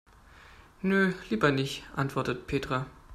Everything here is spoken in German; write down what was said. Nö, lieber nicht, antwortet Petra.